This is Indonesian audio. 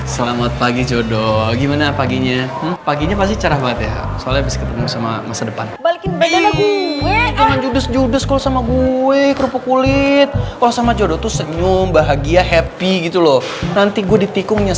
sampai jumpa di video selanjutnya